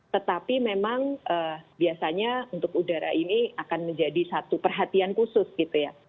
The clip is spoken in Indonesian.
tetapi memang biasanya untuk udara ini akan menjadi satu perhatian khusus gitu ya